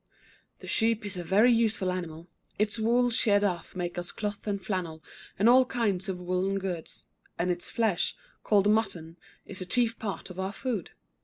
_ The sheep is a very useful animal. Its wool, sheared off, makes us cloth and flannel, and all kinds of woollen goods; and its flesh, called mutton, is a chief part of our food.